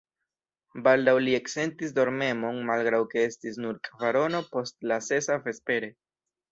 Baldaŭ li eksentis dormemon, malgraŭ ke estis nur kvarono post la sesa vespere.